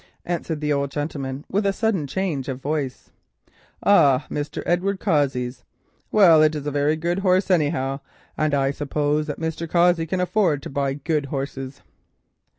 answered the old gentleman with a sudden change of voice. "Ah, Mr. Edward Cossey's? Well, it's a very good horse anyhow, and I suppose that Mr. Cossey can afford to buy good horses."